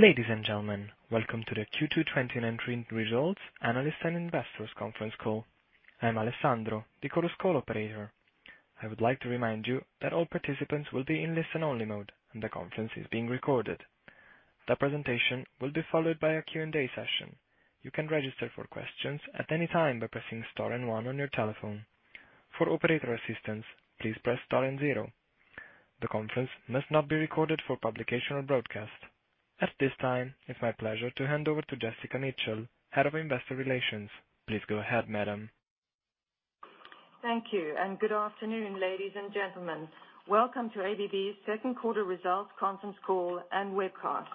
Ladies and gentlemen, welcome to the Q2 2019 results analyst and investors conference call. I'm Alessandro, the Chorus Call operator. I would like to remind you that all participants will be in listen-only mode, and the conference is being recorded. The presentation will be followed by a Q&A session. You can register for questions at any time by pressing star and one on your telephone. For operator assistance, please press star and zero. The conference must not be recorded for publication or broadcast. At this time, it's my pleasure to hand over to Jessica Mitchell, Head of Investor Relations. Please go ahead, madam. Thank you. Good afternoon, ladies and gentlemen. Welcome to ABB's second quarter results conference call and webcast.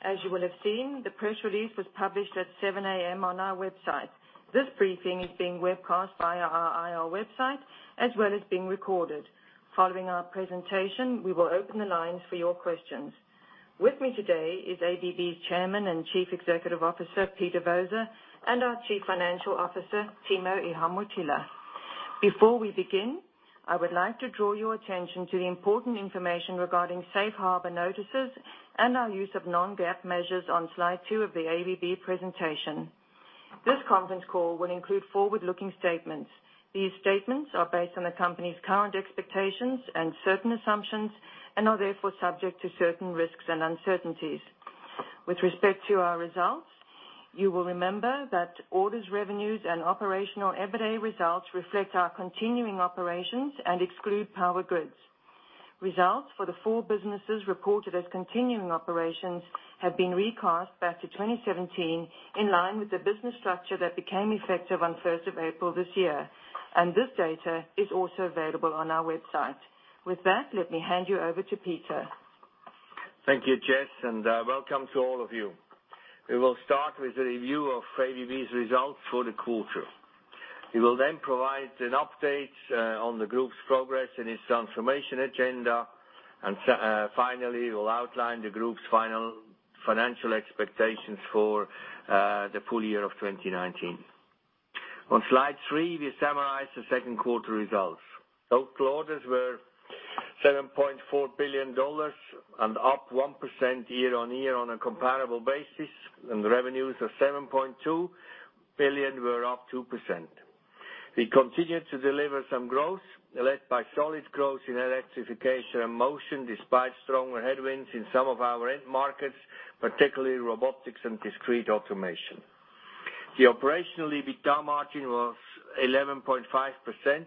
As you will have seen, the press release was published at 7:00 A.M. on our website. This briefing is being webcast via our IR website, as well as being recorded. Following our presentation, we will open the lines for your questions. With me today is ABB's Chairman and Chief Executive Officer, Peter Voser, and our Chief Financial Officer, Timo Ihamuotila. Before we begin, I would like to draw your attention to the important information regarding safe harbor notices and our use of non-GAAP measures on slide two of the ABB presentation. This conference call will include forward-looking statements. These statements are based on the company's current expectations and certain assumptions, and are therefore subject to certain risks and uncertainties. With respect to our results, you will remember that orders, revenues, and operational EBITA results reflect our continuing operations and exclude Power Grids. Results for the full businesses reported as continuing operations have been recast back to 2017 in line with the business structure that became effective on 1st of April this year. This data is also available on our website. With that, let me hand you over to Peter. Thank you, Jess, and welcome to all of you. We will start with a review of ABB's results for the quarter. We will then provide an update on the group's progress in its transformation agenda, and finally, we'll outline the group's final financial expectations for the full year of 2019. On slide three, we summarize the second quarter results. Total orders were $7.4 billion and up 1% year-on-year on a comparable basis, and revenues of $7.2 billion were up 2%. We continued to deliver some growth, led by solid growth in Electrification and Motion, despite stronger headwinds in some of our end markets, particularly Robotics & Discrete Automation. The operational EBITA margin was 11.5%,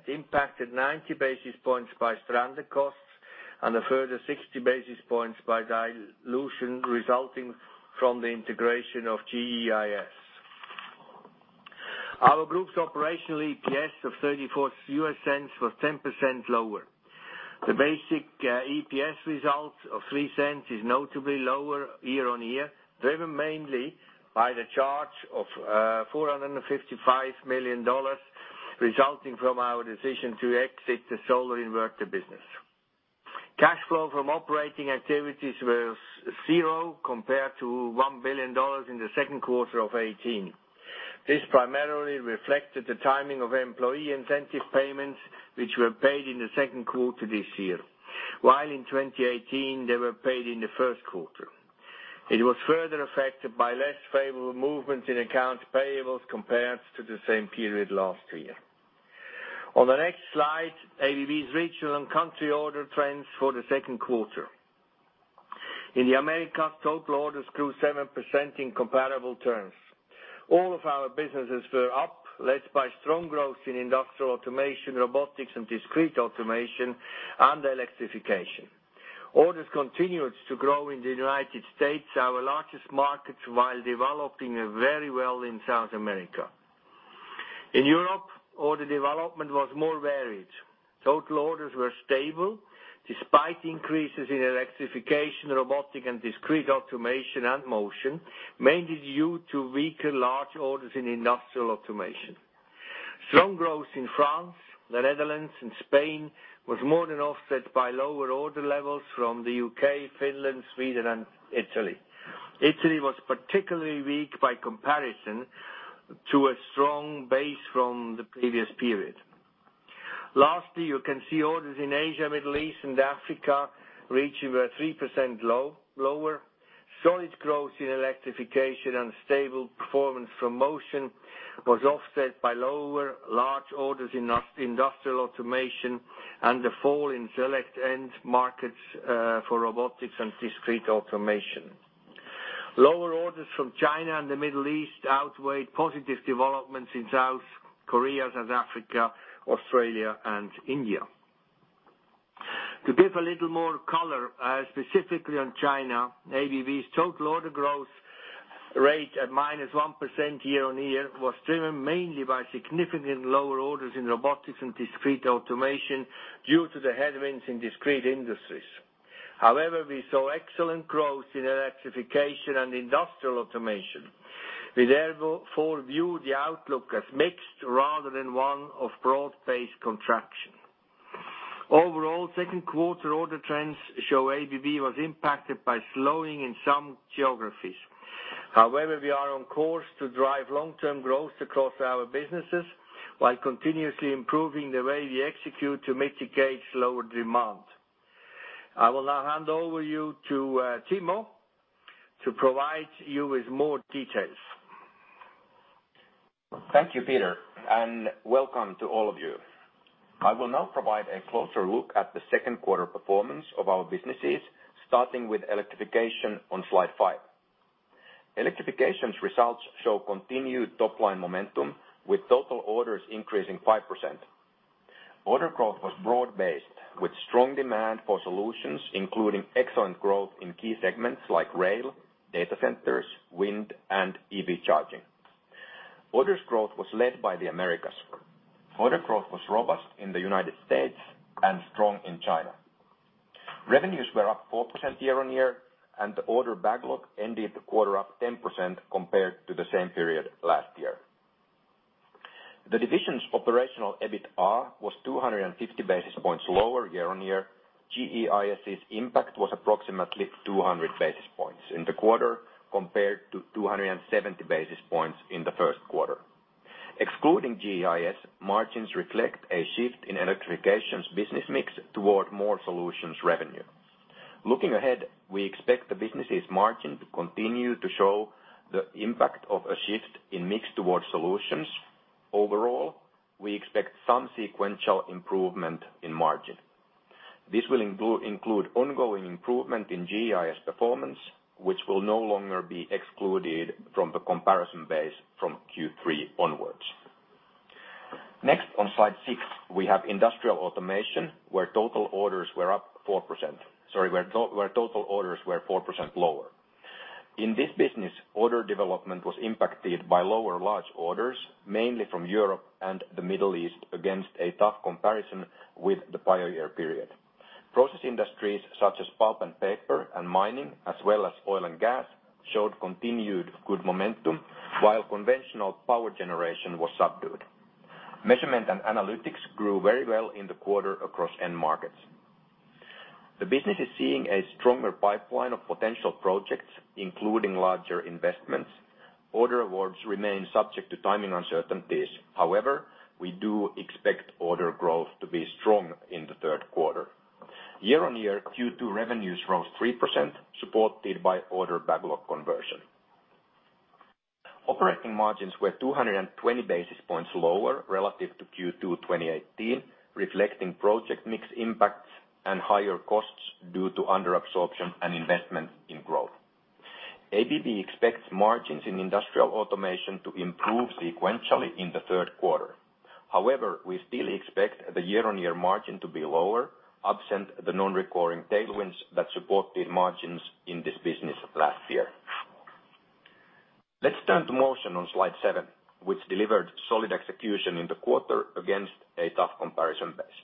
impacted 90 basis points by stranded costs, and a further 60 basis points by dilution resulting from the integration of GEIS. Our group's operational EPS of $0.34 was 10% lower. The basic EPS result of $0.03 is notably lower year-on-year, driven mainly by the charge of $455 million resulting from our decision to exit the solar inverter business. Cash flow from operating activities was zero compared to $1 billion in the second quarter of 2018. This primarily reflected the timing of employee incentive payments, which were paid in the second quarter this year, while in 2018, they were paid in the first quarter. It was further affected by less favorable movements in accounts payables compared to the same period last year. On the next slide, ABB's regional and country order trends for the second quarter. In the Americas, total orders grew 7% in comparable terms. All of our businesses were up, led by strong growth in Industrial Automation, Robotics & Discrete Automation, and Electrification. Orders continued to grow in the U.S., our largest market, while developing very well in South America. In Europe, order development was more varied. Total orders were stable despite increases in Electrification, Robotics and Discrete Automation, and Motion, mainly due to weaker large orders in Industrial Automation. Strong growth in France, the Netherlands, and Spain was more than offset by lower order levels from the U.K., Finland, Sweden, and Italy. Italy was particularly weak by comparison to a strong base from the previous period. Lastly, you can see orders in Asia, Middle East, and Africa reaching were 3% lower. Solid growth in Electrification and stable performance from Motion was offset by lower large orders in Industrial Automation and the fall in select end markets for Robotics and Discrete Automation. Lower orders from China and the Middle East outweighed positive developments in South Korea, South Africa, Australia, and India. To give a little more color, specifically on China, ABB's total order growth rate at -1% year-on-year was driven mainly by significantly lower orders in Robotics & Discrete Automation due to the headwinds in discrete industries. We saw excellent growth in Electrification and Industrial Automation. We therefore view the outlook as mixed rather than one of broad-based contraction. Overall, second quarter order trends show ABB was impacted by slowing in some geographies. We are on course to drive long-term growth across our businesses while continuously improving the way we execute to mitigate slower demand. I will now hand over you to Timo to provide you with more details. Thank you, Peter, and welcome to all of you. I will now provide a closer look at the second quarter performance of our businesses, starting with Electrification on slide five. Electrification's results show continued top-line momentum with total orders increasing 5%. Order growth was broad-based with strong demand for solutions, including excellent growth in key segments like rail, data centers, wind, and EV charging. Orders growth was led by the Americas. Order growth was robust in the United States and strong in China. Revenues were up 4% year-on-year, and the order backlog ended the quarter up 10% compared to the same period last year. The division's operational EBITA was 250 basis points lower year-on-year. GEIS's impact was approximately 200 basis points in the quarter, compared to 270 basis points in the first quarter. Excluding GEIS, margins reflect a shift in Electrification's business mix toward more solutions revenue. Looking ahead, we expect the business' margin to continue to show the impact of a shift in mix towards solutions. Overall, we expect some sequential improvement in margin. This will include ongoing improvement in GEIS performance, which will no longer be excluded from the comparison base from Q3 onwards. Next, on slide six, we have Industrial Automation where total orders were 4% lower. In this business, order development was impacted by lower large orders, mainly from Europe and the Middle East, against a tough comparison with the prior year period. Process industries such as pulp and paper and mining, as well as oil and gas, showed continued good momentum, while conventional power generation was subdued. Measurement and analytics grew very well in the quarter across end markets. The business is seeing a stronger pipeline of potential projects, including larger investments. Order awards remain subject to timing uncertainties. We do expect order growth to be strong in the third quarter. Year-on-year, Q2 revenues rose 3%, supported by order backlog conversion. Operating margins were 220 basis points lower relative to Q2 2018, reflecting project mix impacts and higher costs due to under absorption and investment in growth. ABB expects margins in Industrial Automation to improve sequentially in the third quarter. We still expect the year-on-year margin to be lower, absent the non-recurring tailwinds that supported margins in this business last year. Let's turn to motion on slide seven, which delivered solid execution in the quarter against a tough comparison base.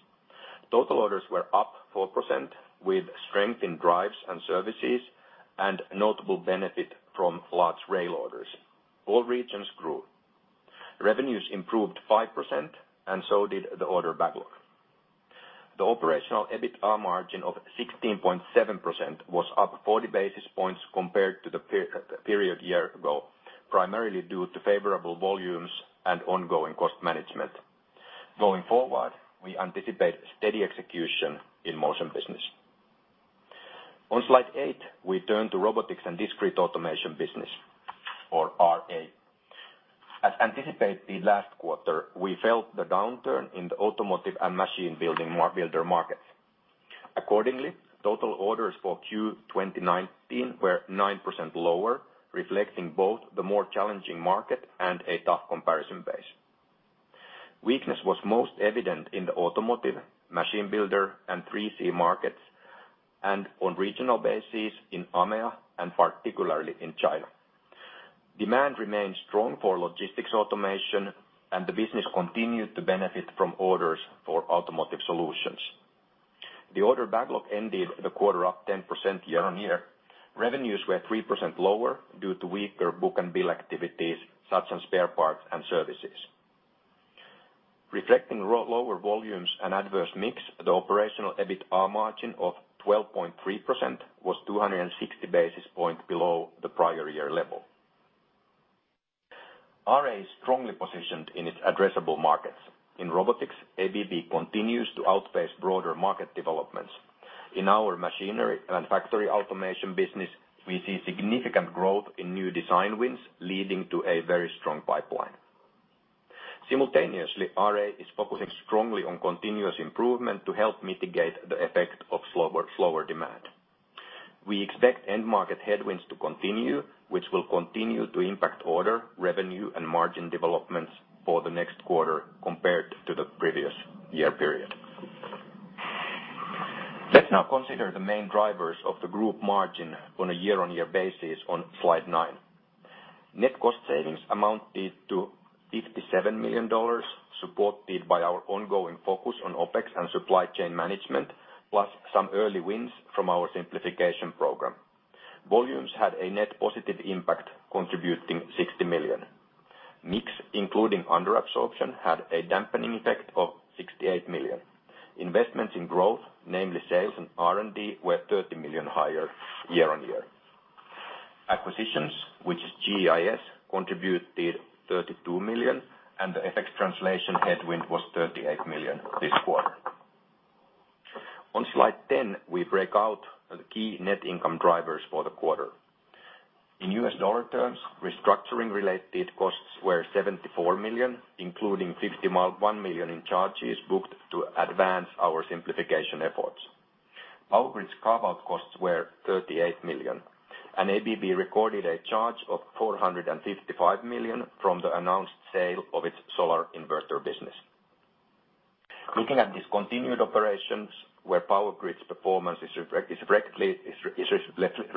Total orders were up 4%, with strength in drives and services and notable benefit from large rail orders. All regions grew. Revenues improved 5%, and so did the order backlog. The operational EBITA margin of 16.7% was up 40 basis points compared to the period a year ago, primarily due to favorable volumes and ongoing cost management. Going forward, we anticipate steady execution in motion business. On slide eight, we turn to robotics and discrete automation business, or RA. As anticipated last quarter, we felt the downturn in the automotive and machine builder markets. Accordingly, total orders for Q2019 were 9% lower, reflecting both the more challenging market and a tough comparison base. Weakness was most evident in the automotive, machine builder, and 3C markets, and on regional bases in AMEA, and particularly in China. Demand remained strong for logistics automation, and the business continued to benefit from orders for automotive solutions. The order backlog ended the quarter up 10% year-on-year. Revenues were 3% lower due to weaker book and bill activities, such as spare parts and services. Reflecting lower volumes and adverse mix, the operational EBITA margin of 12.3% was 260 basis points below the prior year level. RA is strongly positioned in its addressable markets. In robotics, ABB continues to outpace broader market developments. In our machinery and factory automation business, we see significant growth in new design wins, leading to a very strong pipeline. Simultaneously, RA is focusing strongly on continuous improvement to help mitigate the effect of slower demand. We expect end market headwinds to continue, which will continue to impact order, revenue, and margin developments for the next quarter compared to the previous year period. Let's now consider the main drivers of the group margin on a year-on-year basis on slide nine. Net cost savings amounted to $57 million, supported by our ongoing focus on OPEX and supply chain management, plus some early wins from our Simplification Program. Volumes had a net positive impact, contributing $60 million. Mix, including under absorption, had a dampening effect of $68 million. Investments in growth, namely sales and R&D, were $30 million higher year-on-year. Acquisitions, which is GEIS, contributed $32 million, and the FX translation headwind was $38 million this quarter. On slide 10, we break out the key net income drivers for the quarter. In US dollar terms, restructuring-related costs were $74 million, including $51 million in charges booked to advance our simplification efforts. Power Grids's carve-out costs were $38 million, and ABB recorded a charge of $455 million from the announced sale of its solar inverter business. Looking at discontinued operations where Power Grids's performance is reflected,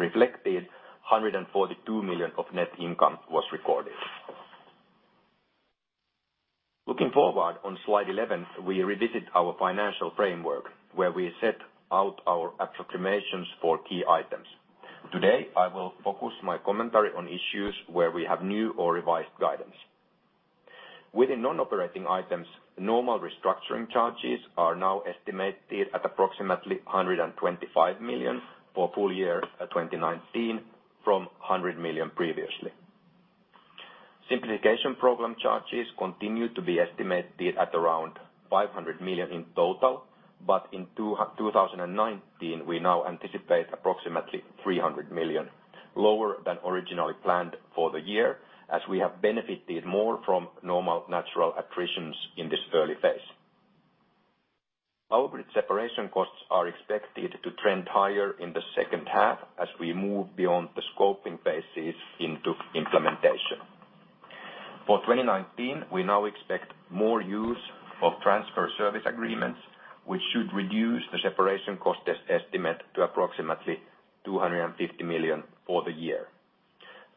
$142 million of net income was recorded. Looking forward on slide 11, we revisit our financial framework, where we set out our approximations for key items. Today, I will focus my commentary on issues where we have new or revised guidance. Within non-operating items, normal restructuring charges are now estimated at approximately $125 million for full year 2019 from $100 million previously. Simplification program charges continue to be estimated at around $500 million in total, but in 2019, we now anticipate approximately $300 million. Lower than originally planned for the year, as we have benefited more from normal natural attritions in this early phase. Power Grids separation costs are expected to trend higher in the second half as we move beyond the scoping phases into implementation. For 2019, we now expect more use of transfer service agreements, which should reduce the separation cost estimate to approximately $250 million for the year.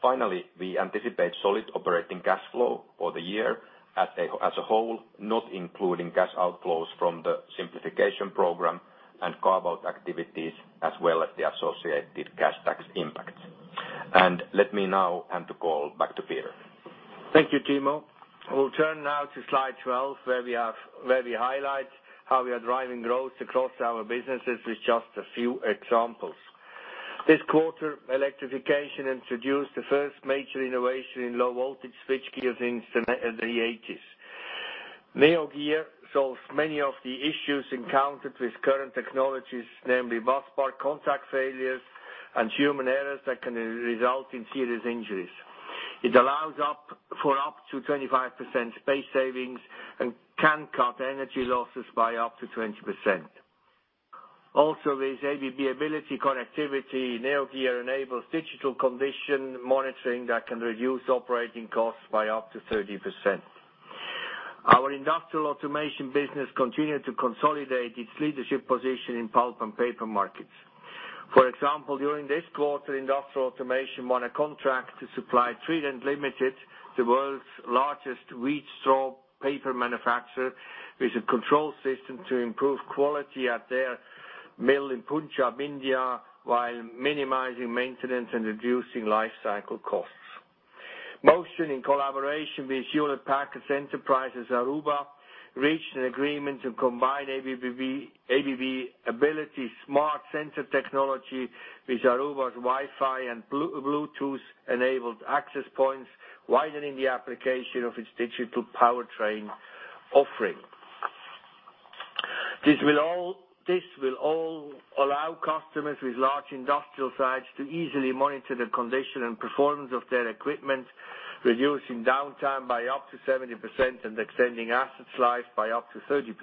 Finally, we anticipate solid operating cash flow for the year as a whole, not including cash outflows from the simplification program and carve-out activities, as well as the associated cash tax impacts. Let me now hand the call back to Peter. Thank you, Timo. We'll turn now to slide 12, where we highlight how we are driving growth across our businesses with just a few examples. This quarter, Electrification introduced the first major innovation in low-voltage switchgear since the '80s. NeoGear solves many of the issues encountered with current technologies, namely busbar contact failures and human errors that can result in serious injuries. It allows for up to 25% space savings and can cut energy losses by up to 20%. With ABB Ability connectivity, NeoGear enables digital condition monitoring that can reduce operating costs by up to 30%. Our Industrial Automation business continued to consolidate its leadership position in pulp and paper markets. For example, Industrial Automation won a contract to supply Trident Limited, the world's largest wheat straw paper manufacturer, with a control system to improve quality at their mill in Punjab, India, while minimizing maintenance and reducing life cycle costs. Motion, in collaboration with Hewlett Packard Enterprise's Aruba, reached an agreement to combine ABB Ability smart sensor technology with Aruba's Wi-Fi and Bluetooth-enabled access points, widening the application of its digital powertrain offering. This will all allow customers with large industrial sites to easily monitor the condition and performance of their equipment, reducing downtime by up to 70% and extending assets life by up to 30%.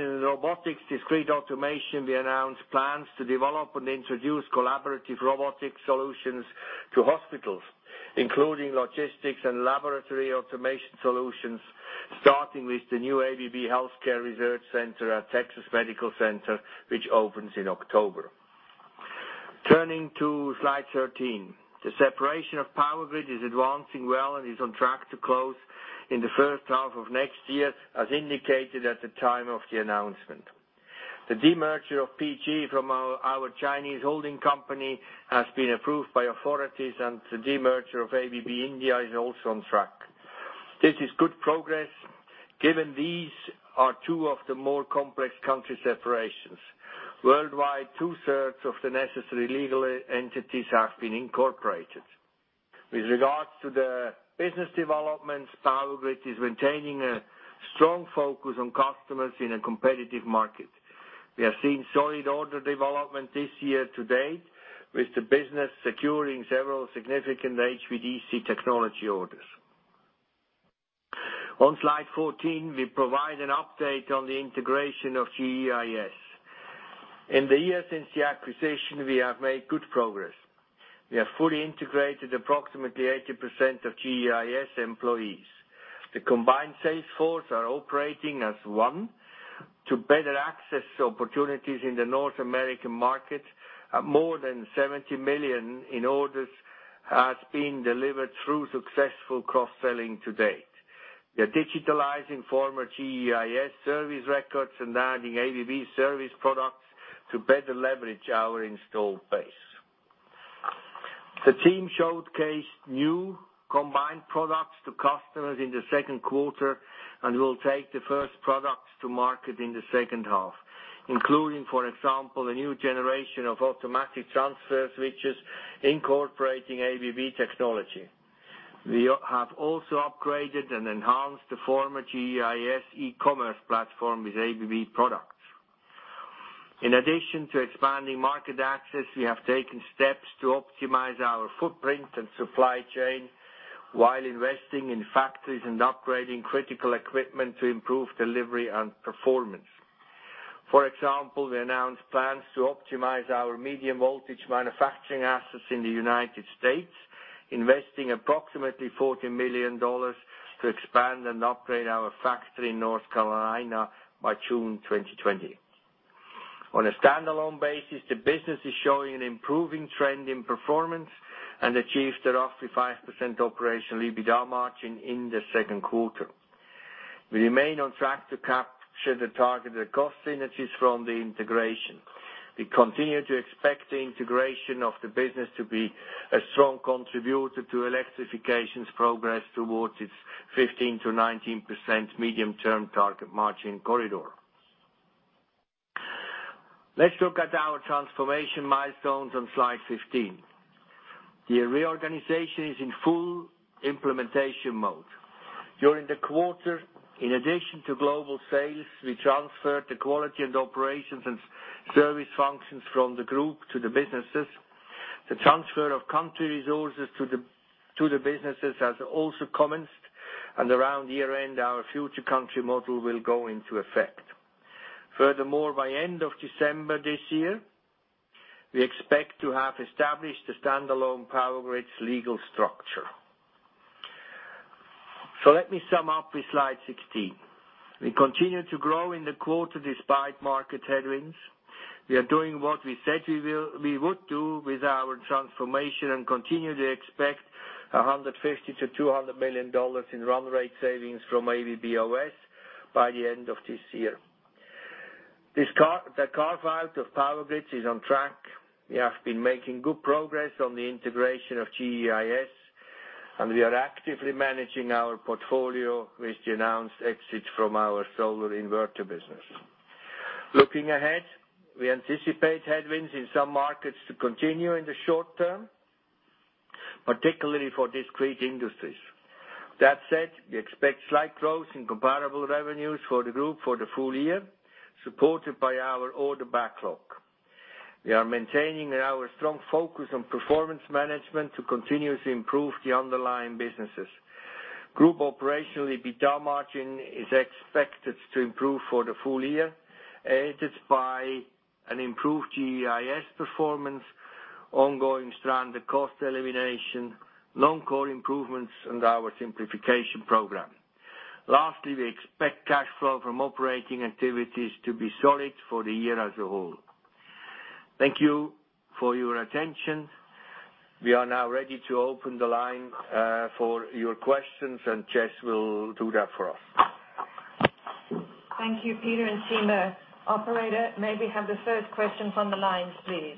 In Robotics & Discrete Automation, we announced plans to develop and introduce collaborative robotics solutions to hospitals, including logistics and laboratory automation solutions, starting with the new ABB Healthcare Research Center at Texas Medical Center, which opens in October. Turning to slide 13. The separation of Power Grids is advancing well and is on track to close in the first half of next year, as indicated at the time of the announcement. The demerger of PG from our Chinese holding company has been approved by authorities. The demerger of ABB India is also on track. This is good progress, given these are two of the more complex country separations. Worldwide, two-thirds of the necessary legal entities have been incorporated. With regards to the business developments, Power Grids is maintaining a strong focus on customers in a competitive market. We are seeing solid order development this year to date, with the business securing several significant HVDC technology orders. On slide 14, we provide an update on the integration of GEIS. In the year since the acquisition, we have made good progress. We have fully integrated approximately 80% of GEIS employees. The combined sales force are operating as one to better access opportunities in the North American market. More than $70 million in orders has been delivered through successful cross-selling to date. We are digitalizing former GEIS service records and adding ABB service products to better leverage our installed base. The team showcased new combined products to customers in the second quarter and will take the first products to market in the second half, including, for example, a new generation of automatic transfer switches incorporating ABB technology. We have also upgraded and enhanced the former GEIS e-commerce platform with ABB products. In addition to expanding market access, we have taken steps to optimize our footprint and supply chain while investing in factories and upgrading critical equipment to improve delivery and performance. For example, we announced plans to optimize our medium voltage manufacturing assets in the U.S., investing approximately $40 million to expand and upgrade our factory in North Carolina by June 2020. On a standalone basis, the business is showing an improving trend in performance and achieved a roughly 5% operational EBITA margin in the second quarter. We remain on track to capture the targeted cost synergies from the integration. We continue to expect the integration of the business to be a strong contributor to Electrification's progress towards its 15%-19% medium-term target margin corridor. Let's look at our transformation milestones on slide 15. The reorganization is in full implementation mode. During the quarter, in addition to global sales, we transferred the quality and operations and service functions from the group to the businesses. The transfer of country resources to the businesses has also commenced, and around year-end, our future country model will go into effect. Furthermore, by end of December this year, we expect to have established a standalone Power Grids legal structure. Let me sum up with slide 16. We continued to grow in the quarter despite market headwinds. We are doing what we said we would do with our transformation and continue to expect $150 million-$200 million in run rate savings from ABB OS by the end of this year. The carve-out of Power Grids is on track. We have been making good progress on the integration of GEIS, and we are actively managing our portfolio with the announced exit from our solar inverter business. Looking ahead, we anticipate headwinds in some markets to continue in the short term, particularly for discrete industries. That said, we expect slight growth in comparable revenues for the group for the full year, supported by our order backlog. We are maintaining our strong focus on performance management to continuously improve the underlying businesses. Group operational EBITA margin is expected to improve for the full year, aided by an improved GEIS performance, ongoing stranded cost elimination, non-core improvements, and our simplification program. Lastly, we expect cash flow from operating activities to be solid for the year as a whole. Thank you for your attention. We are now ready to open the line for your questions, and Jess will do that for us. Thank you, Peter and Timo. Operator, may we have the first questions on the lines, please.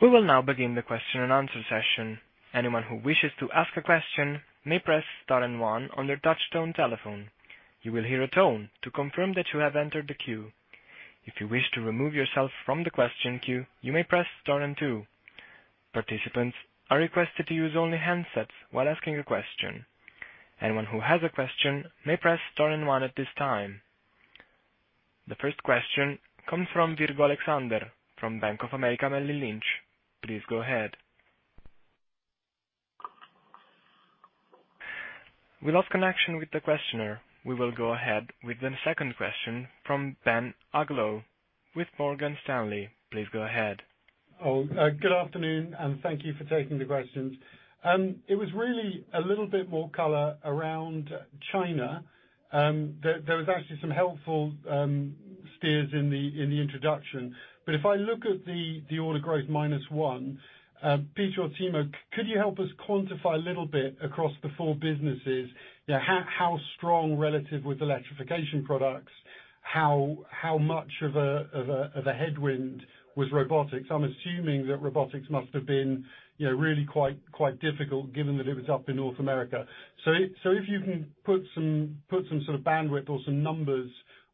We will now begin the question and answer session. Anyone who wishes to ask a question may press star and one on their touch-tone telephone. You will hear a tone to confirm that you have entered the queue. If you wish to remove yourself from the question queue, you may press star and two. Participants are requested to use only handsets while asking a question. Anyone who has a question may press star and one at this time. The first question comes from Alex Virgo from Bank of America Merrill Lynch. Please go ahead. We lost connection with the questioner. We will go ahead with the second question from Ben Uglow with Morgan Stanley. Please go ahead. Good afternoon, and thank you for taking the questions. It was really a little bit more color around China. There was actually some helpful steers in the introduction. If I look at the order growth minus one, Peter or Timo, could you help us quantify a little bit across the four businesses how strong relative with Electrification products? How much of a headwind was Robotics? I'm assuming that Robotics must have been really quite difficult given that it was up in North America. If you can put some sort of bandwidth or some numbers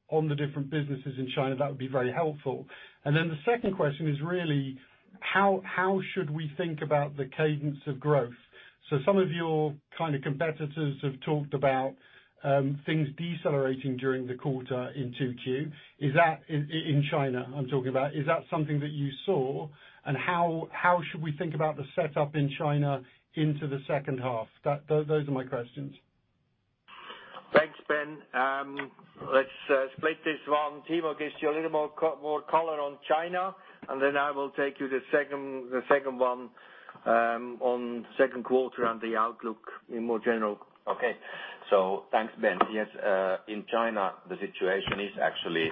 on the different businesses in China, that would be very helpful. The second question is really how should we think about the cadence of growth? Some of your kind of competitors have talked about things decelerating during the quarter in 2Q. In China, I'm talking about. Is that something that you saw, and how should we think about the setup in China into the second half? Those are my questions. Thanks, Ben. Let's split this one. Timo gives you a little more color on China, and then I will take you the second one on second quarter and the outlook in more general. Okay. Thanks, Ben. Yes, in China, the situation is actually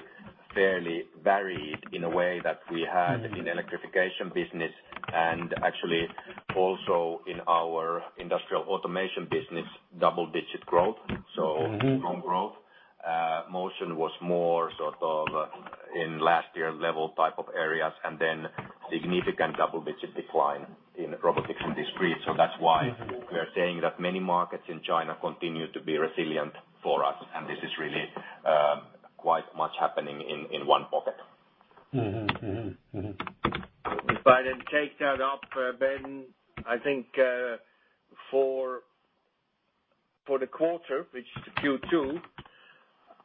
fairly varied in a way that we had in Electrification business and actually also in our Industrial Automation business, double-digit growth, strong growth. Motion was more in last year level type of areas, and then significant double-digit decline in Robotics and Discrete. That's why we are saying that many markets in China continue to be resilient for us, and this is really quite much happening in one pocket. If I take that up, Ben, I think, for the quarter, which is the Q2,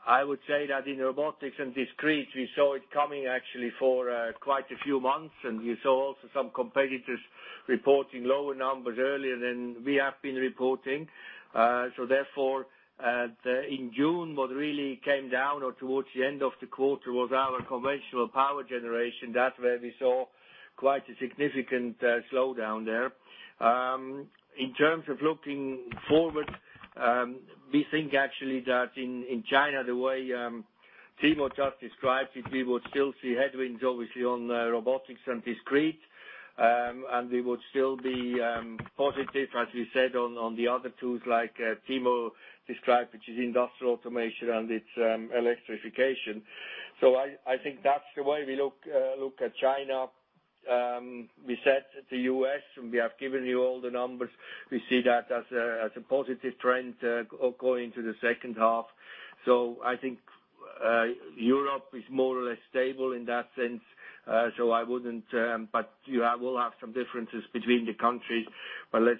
I would say that in Robotics and Discrete, we saw it coming actually for quite a few months, we saw also some competitors reporting lower numbers earlier than we have been reporting. Therefore, in June, what really came down or towards the end of the quarter was our conventional power generation. That's where we saw quite a significant slowdown there. In terms of looking forward, we think actually that in China, the way Timo just described it, we would still see headwinds, obviously, on Robotics and Discrete. We would still be positive, as we said, on the other tools like Timo described, which is Industrial Automation and its Electrification. I think that's the way we look at China. We said the U.S., we have given you all the numbers. We see that as a positive trend going into the second half. I think Europe is more or less stable in that sense. You will have some differences between the countries, but let's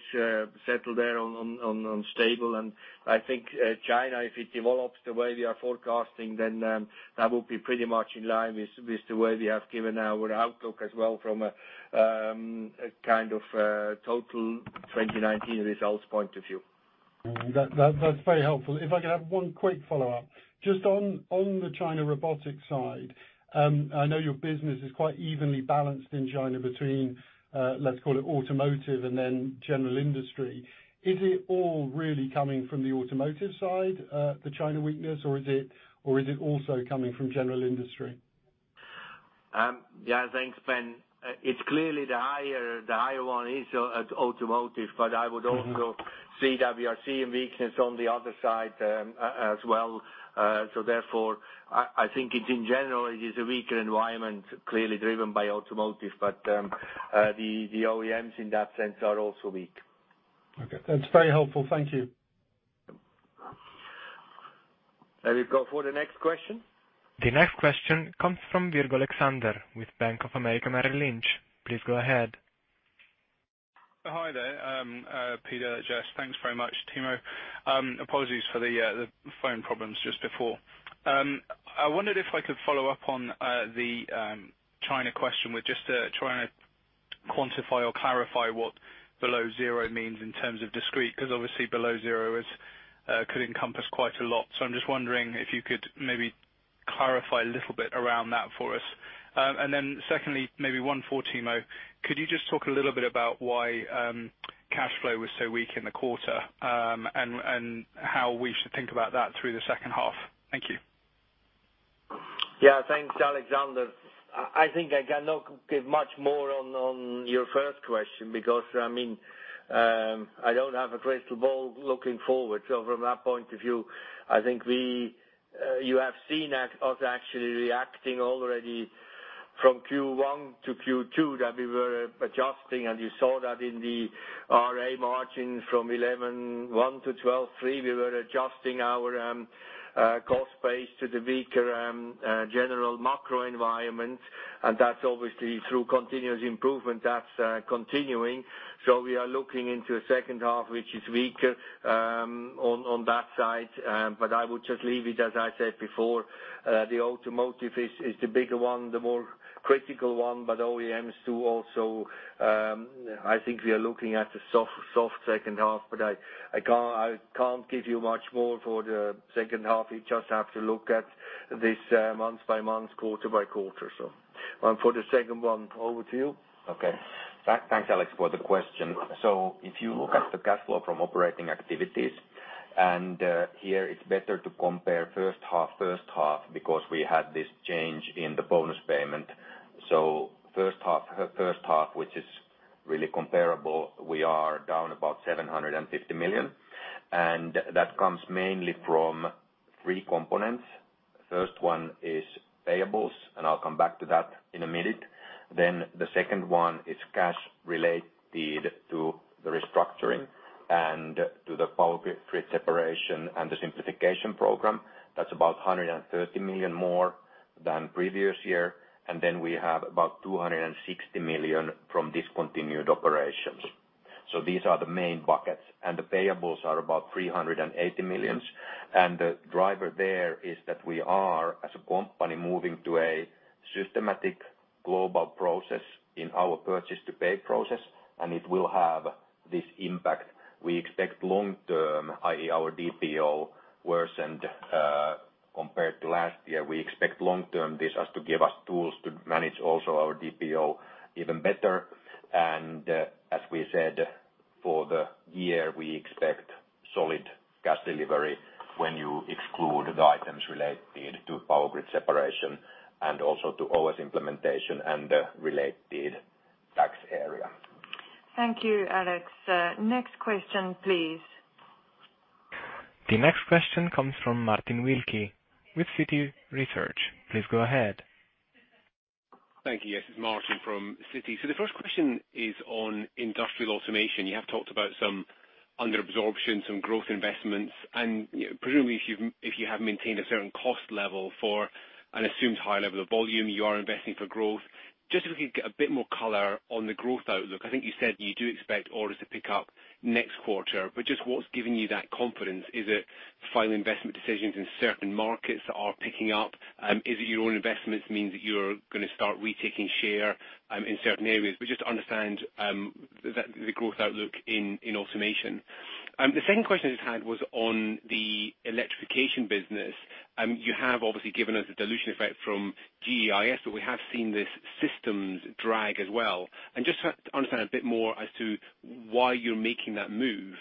settle there on stable. I think China, if it develops the way we are forecasting, then that will be pretty much in line with the way we have given our outlook as well from a kind of total 2019 results point of view. That's very helpful. If I could have one quick follow-up. Just on the China robotics side, I know your business is quite evenly balanced in China between, let's call it automotive and then general industry. Is it all really coming from the automotive side, the China weakness, or is it also coming from general industry? Yeah. Thanks, Ben. It's clearly the higher one is automotive, but I would also say that we are seeing weakness on the other side as well. Therefore, I think in general, it is a weaker environment, clearly driven by automotive, but the OEMs in that sense are also weak. Okay. That's very helpful. Thank you. We go for the next question. The next question comes from Alex Virgo with Bank of America Merrill Lynch. Please go ahead. Hi there, Peter, Jess. Thanks very much, Timo. Apologies for the phone problems just before. I wondered if I could follow up on the China question with just trying to quantify or clarify what below zero means in terms of Discrete, because obviously below zero could encompass quite a lot. I'm just wondering if you could maybe clarify a little bit around that for us. Secondly, maybe one for Timo, could you just talk a little bit about why cash flow was so weak in the quarter, and how we should think about that through the second half? Thank you. Yeah. Thanks, Alexander. I think I cannot give much more on your first question because, I don't have a crystal ball looking forward. From that point of view, I think you have seen us actually reacting already from Q1 to Q2, that we were adjusting, and you saw that in the RA margin from 111 to 123. We were adjusting our cost base to the weaker general macro environment, and that's obviously through continuous improvement, that's continuing. We are looking into a second half, which is weaker on that side. I would just leave it, as I said before, the automotive is the bigger one, the more critical one, but OEMs too, also, I think we are looking at a soft second half, but I can't give you much more for the second half. You just have to look at this month by month, quarter by quarter. For the second one, over to you. Okay. Thanks, Alex, for the question. If you look at the cash flow from operating activities, and here it's better to compare first half, because we had this change in the bonus payment. First half, which is really comparable, we are down about $750 million, and that comes mainly from three components. First one is payables, and I'll come back to that in a minute. The second one is cash related to the restructuring and to the Power Grids separation and the Simplification Program. That's about $130 million more than previous year. We have about $260 million from discontinued operations. These are the main buckets, and the payables are about $380 million. The driver there is that we are, as a company, moving to a systematic global process in our purchase to pay process, and it will have this impact. We expect long term, i.e. our DPO worsened-Compared to last year, this has to give us tools to manage also our DPO even better. As we said, for the year, we expect solid cash delivery when you exclude the items related to Power Grids separation and also to OS implementation and the related tax area. Thank you, Alex. Next question, please. The next question comes from Martin Wilkie with Citi Research. Please go ahead. Thank you. Yes, it's Martin from Citi. The first question is on industrial automation. You have talked about some under-absorption, some growth investments, and presumably, if you have maintained a certain cost level for an assumed high level of volume, you are investing for growth. Just if we could get a bit more color on the growth outlook. I think you said you do expect orders to pick up next quarter, but just what's giving you that confidence? Is it final investment decisions in certain markets are picking up? Is it your own investments means that you're going to start retaking share in certain areas? Just to understand the growth outlook in automation. The second question I just had was on the electrification business. You have obviously given us a dilution effect from GEIS, but we have seen this systems drag as well. Just to understand a bit more as to why you're making that move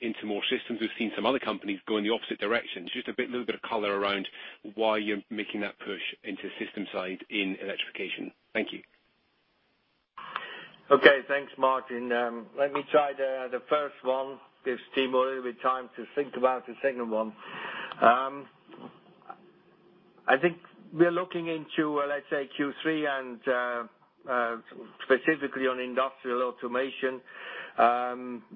into more systems. We've seen some other companies go in the opposite direction. Just a little bit of color around why you're making that push into system side in electrification. Thank you. Okay. Thanks, Martin. Let me try the first one, gives Timo a little bit of time to think about the second one. I think we're looking into, let's say, Q3, and specifically on Industrial Automation.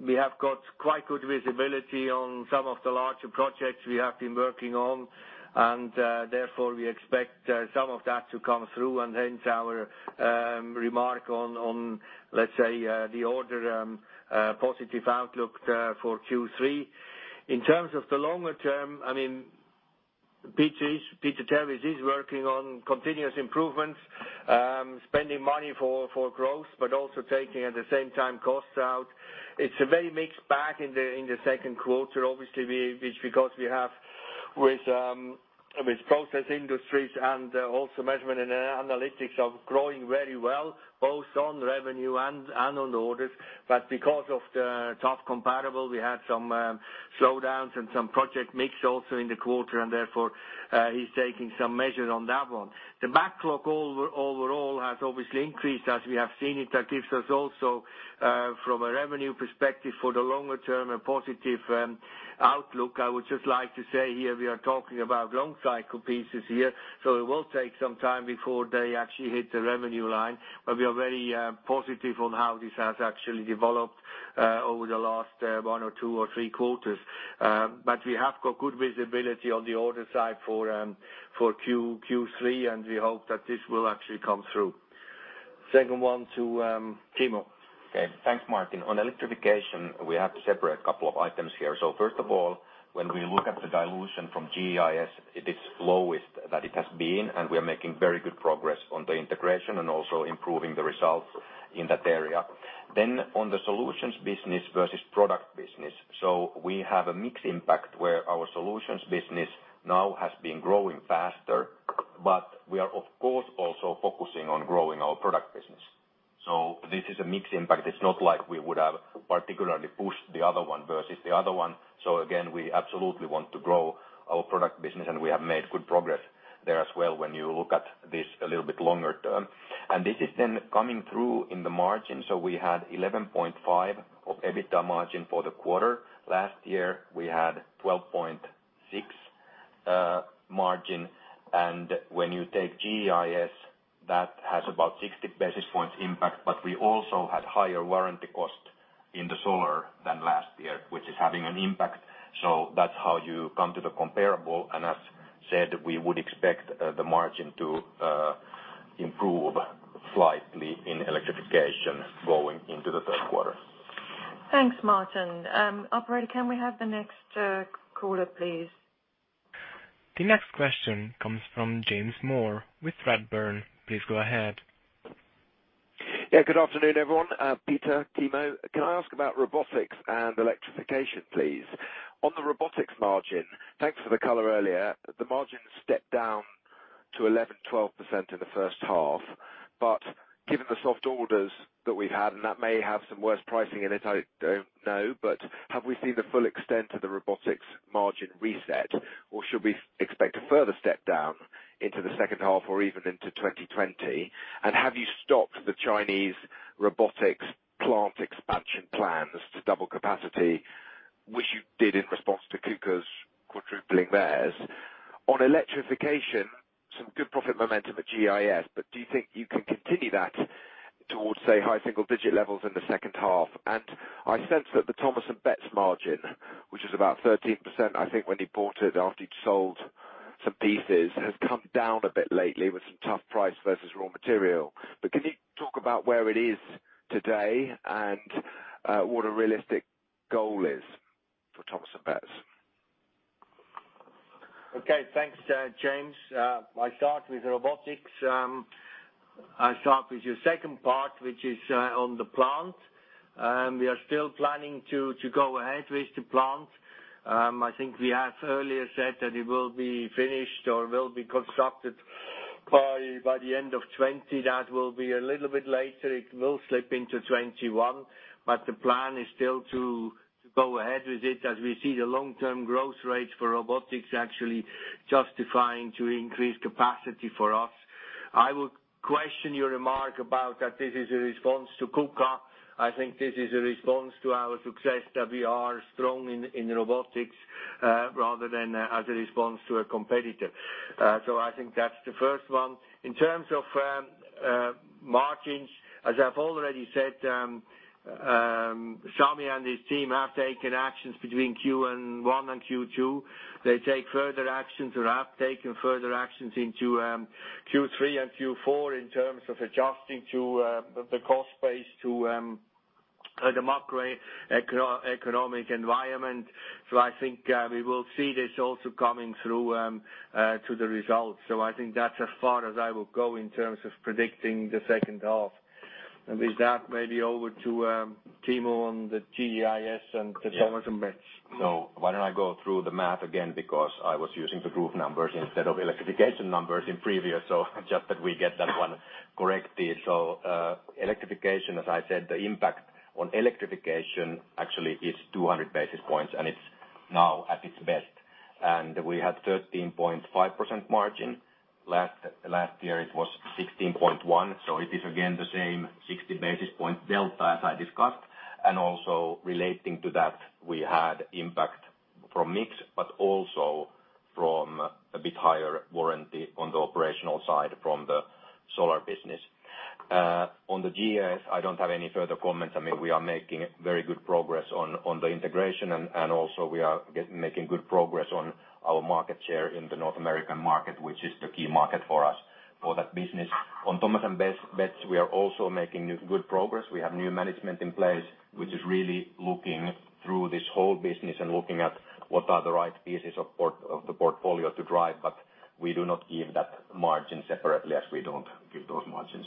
We have got quite good visibility on some of the larger projects we have been working on, and therefore, we expect some of that to come through, and hence our remark on, let's say, the order positive outlook for Q3. In terms of the longer term, Peter Terwiesch is working on continuous improvements, spending money for growth, but also taking at the same time, costs out. It's a very mixed bag in the second quarter, obviously, because we have with process industries and also Measurement and Analytics are growing very well, both on revenue and on orders. Because of the tough comparable, we had some slowdowns and some project mix also in the quarter, and therefore, he is taking some measures on that one. The backlog overall has obviously increased as we have seen it. That gives us also, from a revenue perspective for the longer term, a positive outlook. I would just like to say here we are talking about long cycle pieces here, so it will take some time before they actually hit the revenue line. We are very positive on how this has actually developed over the last one or two or three quarters. We have got good visibility on the order side for Q3, and we hope that this will actually come through. Second one to Timo. Okay. Thanks, Martin. On Electrification, we have to separate a couple of items here. First of all, when we look at the dilution from GEIS, it is lowest that it has been, and we are making very good progress on the integration and also improving the results in that area. On the solutions business versus product business. We have a mixed impact where our solutions business now has been growing faster, but we are of course also focusing on growing our product business. This is a mixed impact. It's not like we would have particularly pushed the other one versus the other one. Again, we absolutely want to grow our product business, and we have made good progress there as well when you look at this a little bit longer term. This is then coming through in the margin. We had 11.5% of EBITDA margin for the quarter. Last year we had 12.6% margin. When you take GEIS, that has about 60 basis points impact. We also had higher warranty cost in the solar than last year, which is having an impact. That's how you come to the comparable. As said, we would expect the margin to improve slightly in Electrification going into the third quarter. Thanks, Martin. Operator, can we have the next caller, please? The next question comes from James Moore with Redburn. Please go ahead. Yeah. Good afternoon, everyone. Peter, Timo, can I ask about robotics and electrification, please? On the robotics margin, thanks for the color earlier. The margin stepped down to 11%, 12% in the first half. Given the soft orders that we've had, and that may have some worse pricing in it, I don't know, have we seen the full extent of the robotics margin reset, or should we expect a further step down into the second half or even into 2020? Have you stopped the Chinese robotics plant expansion plans to double capacity, which you did in response to KUKA's quadrupling theirs? On electrification, some good profit momentum at GEIS, do you think you can continue that towards, say, high single-digit levels in the second half? I sense that the Thomas & Betts margin, which is about 13%, I think when you bought it, after you'd sold some pieces, has come down a bit lately with some tough price versus raw material. Can you talk about where it is today and what a realistic goal is for Thomas & Betts? Okay. Thanks, James. I start with robotics. I'll start with your second part, which is on the plant. We are still planning to go ahead with the plant. I think we have earlier said that it will be finished or will be constructed by the end of 2020. That will be a little bit later. It will slip into 2021. The plan is still to go ahead with it, as we see the long-term growth rates for robotics actually justifying to increase capacity for us. I would question your remark about that this is a response to KUKA. I think this is a response to our success, that we are strong in robotics, rather than as a response to a competitor. I think that's the first one. In terms of margins, as I've already said, Sami and his team have taken actions between Q1 and Q2. They take further actions or have taken further actions into Q3 and Q4 in terms of adjusting the cost base to the macroeconomic environment. I think we will see this also coming through to the results. I think that's as far as I will go in terms of predicting the second half. With that, maybe over to Timo on the GEIS and the Thomas & Betts. Why don't I go through the math again, because I was using the group numbers instead of Electrification numbers in previous. Just that we get that one correctly. Electrification, as I said, the impact on Electrification actually is 200 basis points, and it's now at its best. We had 13.5% margin. Last year it was 16.1%. It is again the same 60 basis point delta as I discussed. Relating to that, we had impact from mix, but also from a bit higher warranty on the operational side from the solar business. On the GEIS, I don't have any further comments. I mean, we are making very good progress on the integration, and also we are making good progress on our market share in the North American market, which is the key market for us for that business. On Thomas & Betts, we are also making good progress. We have new management in place, which is really looking through this whole business and looking at what are the right pieces of the portfolio to drive. We do not give that margin separately as we don't give those margins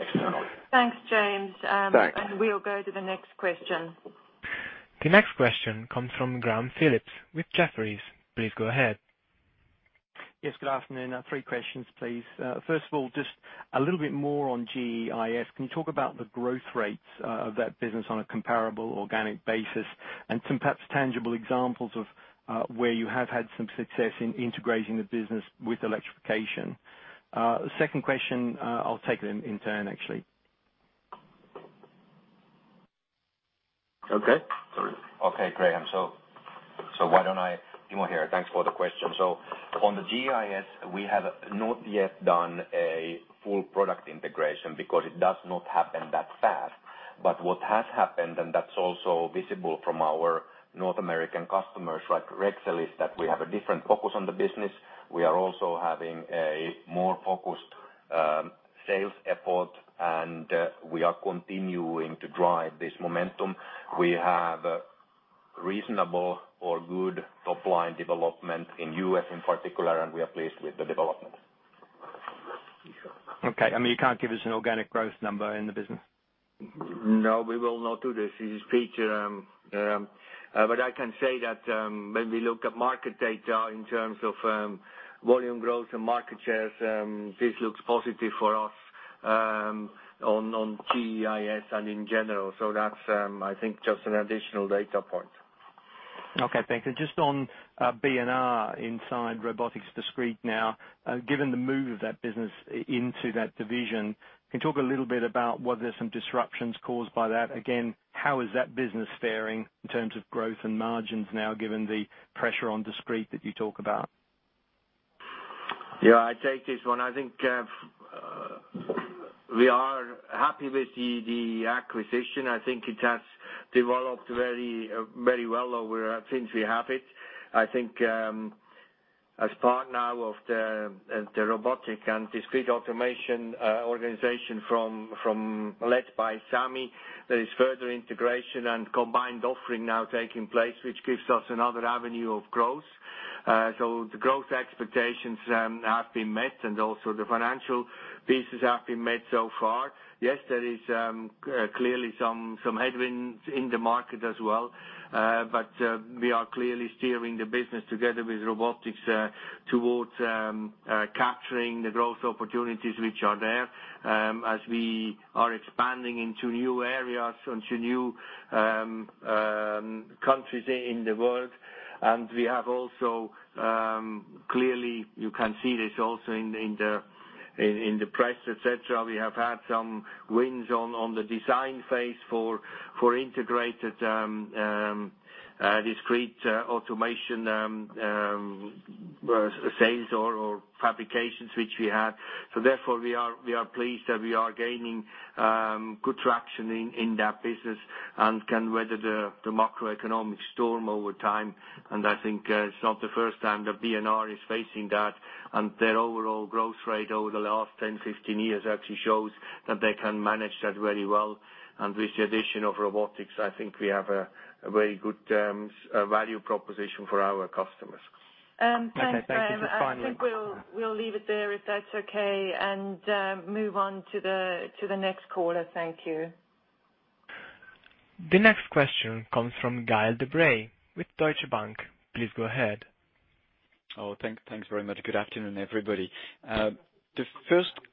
externally. Thanks, James. Thanks. We'll go to the next question. The next question comes from Graham Phillips with Jefferies. Please go ahead. Yes, good afternoon. Three questions, please. First of all, just a little bit more on GEIS. Can you talk about the growth rates of that business on a comparable organic basis and some perhaps tangible examples of where you have had some success in integrating the business with Electrification? Second question, I'll take them in turn, actually. Okay. Okay, Graham. Timo here. Thanks for the question. On the GEIS, we have not yet done a full product integration because it does not happen that fast. What has happened, and that's also visible from our North American customers like Rexel, is that we have a different focus on the business. We are also having a more focused sales effort, and we are continuing to drive this momentum. We have reasonable or good top-line development in U.S. in particular, and we are pleased with the development. Okay. I mean, you can't give us an organic growth number in the business? No, we will not do this. It is feature. I can say that when we look at market data in terms of volume growth and market shares, this looks positive for us on GEIS and in general. That's, I think, just an additional data point. Okay, thank you. Just on B&R inside robotics discrete now. Given the move of that business into that division, can you talk a little bit about were there some disruptions caused by that? How is that business fairing in terms of growth and margins now, given the pressure on discrete that you talk about? Yeah, I take this one. I think we are happy with the acquisition. I think it has developed very well since we have it. I think as part now of the Robotics & Discrete Automation organization led by Sami, there is further integration and combined offering now taking place, which gives us another avenue of growth. The growth expectations have been met, and also the financial pieces have been met so far. Yes, there is clearly some headwinds in the market as well. We are clearly steering the business together with robotics towards capturing the growth opportunities which are there as we are expanding into new areas, into new countries in the world. We have also, clearly you can see this also in the press, et cetera, we have had some wins on the design phase for integrated discrete automation sales or fabrications which we had. Therefore, we are pleased that we are gaining good traction in that business and can weather the macroeconomic storm over time. I think it's not the first time that B&R is facing that, and their overall growth rate over the last 10, 15 years actually shows that they can manage that very well. With the addition of robotics, I think we have a very good value proposition for our customers. Thanks, Graham. I think we'll leave it there, if that's okay, and move on to the next caller. Thank you. The next question comes from Gael de-Bray with Deutsche Bank. Please go ahead. Oh, thanks very much. Good afternoon, everybody. The first question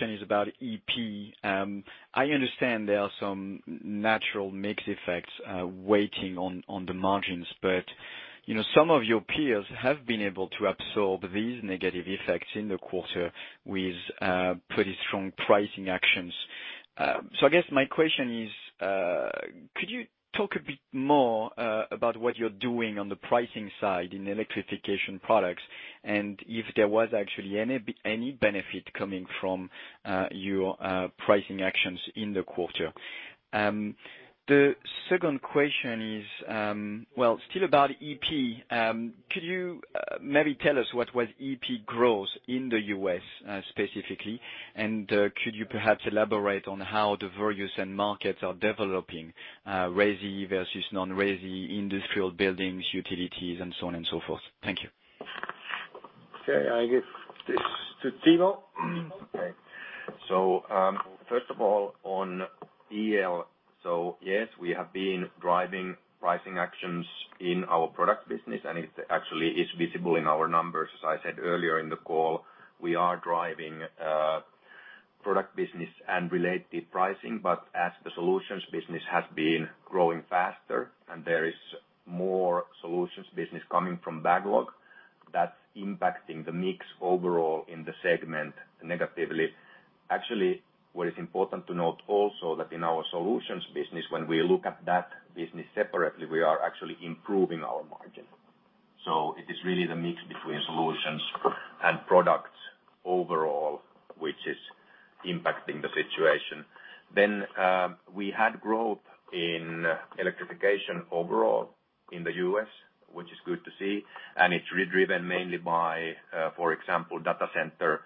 is about EP. I understand there are some natural mix effects waiting on the margins, Some of your peers have been able to absorb these negative effects in the quarter with pretty strong pricing actions. I guess my question is, could you talk a bit more about what you're doing on the pricing side in electrification products, and if there was actually any benefit coming from your pricing actions in the quarter? The second question is still about EP. Could you maybe tell us what was EP growth in the U.S. specifically? Could you perhaps elaborate on how the various end markets are developing, RESI versus non-RESI, industrial buildings, utilities, and so on and so forth? Thank you. Okay. I give this to Timo. Okay. First of all, on EL. Yes, we have been driving pricing actions in our product business, and it actually is visible in our numbers. As I said earlier in the call, we are driving product business and related pricing. As the solutions business has been growing faster, and there is more solutions business coming from backlog, that's impacting the mix overall in the segment negatively. Actually, what is important to note also, that in our solutions business, when we look at that business separately, we are actually improving our margin. It is really the mix between solutions and products overall, which is impacting the situation. We had growth in electrification overall in the U.S., which is good to see, and it's driven mainly by, for example, data center,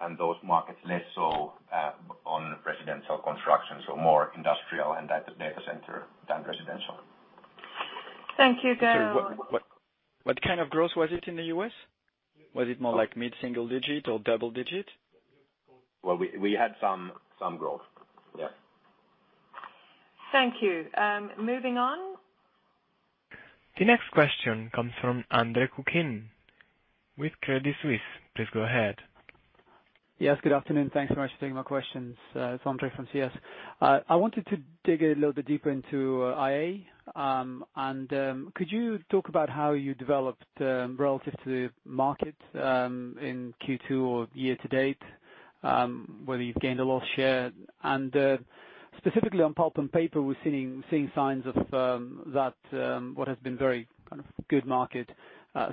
and those markets less so on residential construction, so more industrial and data center than residential. Thank you, Gael. What kind of growth was it in the U.S.? Was it more like mid-single digit or double digit? Well, we had some growth. Yeah. Thank you. Moving on. The next question comes from Andre Kukhnin with Credit Suisse. Please go ahead. Yes, good afternoon. Thanks so much for taking my questions. It's Andre from Credit Suisse. I wanted to dig a little bit deeper into IA. Could you talk about how you developed relative to the market in Q2 or year-to-date, whether you've gained or lost share? Specifically on pulp and paper, we're seeing signs of what has been very good market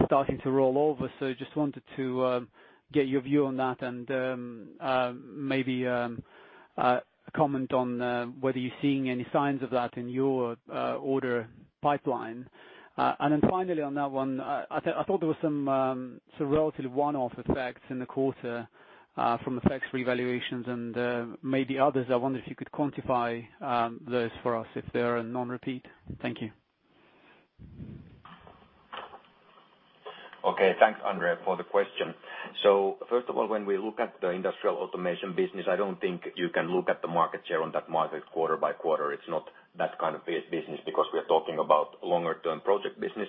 starting to roll over. Just wanted to get your view on that and maybe comment on whether you're seeing any signs of that in your order pipeline. Finally on that one, I thought there was some relatively one-off effects in the quarter from the tax revaluations and maybe others. I wonder if you could quantify those for us if they are a non-repeat. Thank you. Okay. Thanks, Andre, for the question. First of all, when we look at the Industrial Automation business, I don't think you can look at the market share on that market quarter by quarter. It's not that kind of business because we are talking about longer term project business.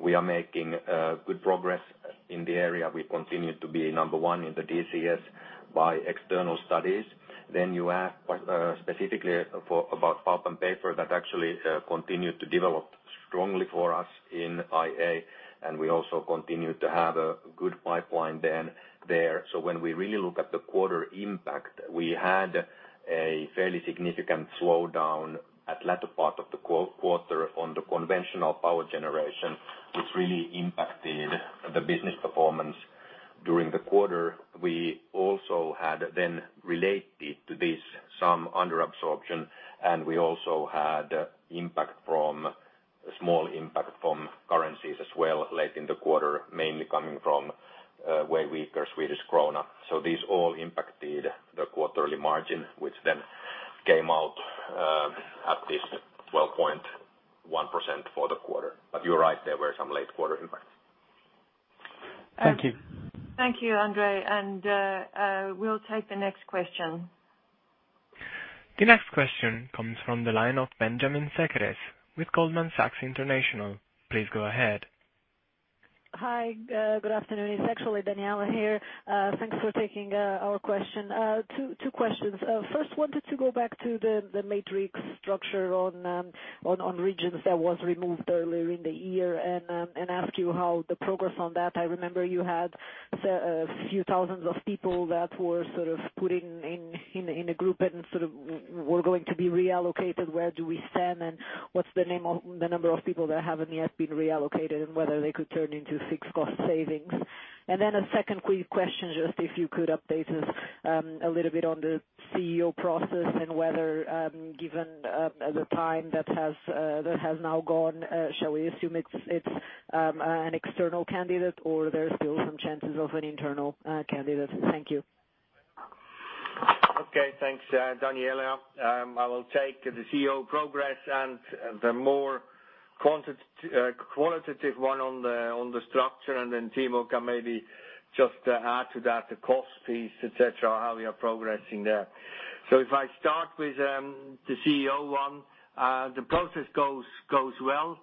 We are making good progress in the area. We continue to be number one in the DCS by external studies. You ask specifically about pulp and paper, that actually continued to develop strongly for us in IA, and we also continued to have a good pipeline there. When we really look at the quarter impact, we had a fairly significant slowdown at latter part of the quarter on the conventional power generation, which really impacted the business performance during the quarter. We also had then related to this some under absorption, and we also had a small impact from currencies as well late in the quarter, mainly coming from way weaker Swedish krona. These all impacted the quarterly margin, which then came out at this 12.1% for the quarter. You're right, there were some late quarter impacts. Thank you. Thank you, Andre. We'll take the next question. The next question comes from the line of Benjamin Sekeres with Goldman Sachs International. Please go ahead. Hi, good afternoon. It's actually Daniela here. Thanks for taking our question. Two questions. First, wanted to go back to the matrix structure on regions that was removed earlier in the year and ask you how the progress on that. I remember you had a few thousands of people that were sort of putting in a group and sort of were going to be reallocated. Where do we stand, and what's the number of people that haven't yet been reallocated, and whether they could turn into fixed cost savings? Then a second quick question, just if you could update us a little bit on the CEO process and whether, given the time that has now gone, shall we assume it's an external candidate or there are still some chances of an internal candidate? Thank you. Thanks, Daniela. I will take the CEO progress and the more qualitative one on the structure, and then Timo can maybe just add to that, the cost piece, et cetera, how we are progressing there. If I start with the CEO one, the process goes well.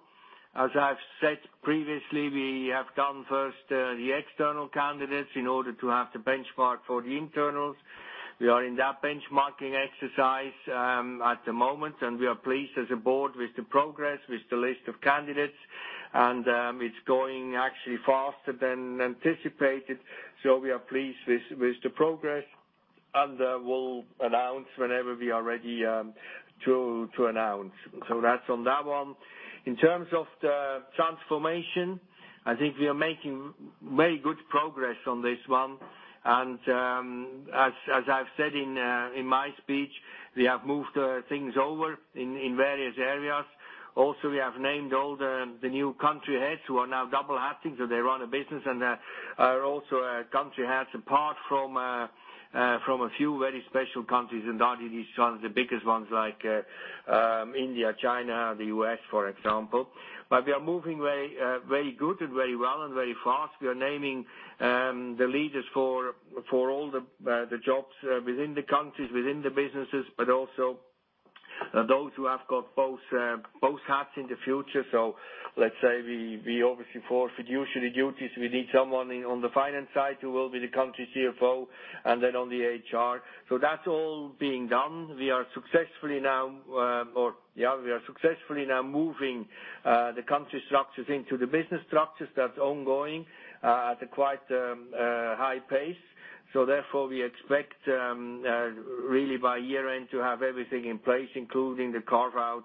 As I've said previously, we have done first the external candidates in order to have the benchmark for the internals. We are in that benchmarking exercise at the moment, and we are pleased as a board with the progress, with the list of candidates, and it's going actually faster than anticipated. We are pleased with the progress and will announce whenever we are ready to announce. That's on that one. In terms of the transformation, I think we are making very good progress on this one. As I've said in my speech, we have moved things over in various areas. We have named all the new country heads who are now double hatting, so they run a business and are also country heads, apart from a few very special countries, and oddly, these ones, the biggest ones like India, China, the U.S., for example. We are moving very good and very well and very fast. We are naming the leaders for all the jobs within the countries, within the businesses, but also those who have got both hats in the future. Let's say we obviously, for fiduciary duties, we need someone on the finance side who will be the country CFO and then on the HR. That's all being done. We are successfully now moving the country structures into the business structures. That's ongoing at a quite high pace. Therefore we expect, really by year-end to have everything in place, including the carve-out